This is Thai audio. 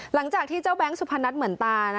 หลังจากที่เจ้าแบงค์สุพนัทเหมือนตา